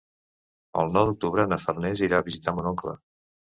El nou d'octubre na Farners irà a visitar mon oncle.